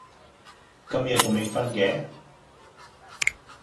咁夜仲未訓嘅？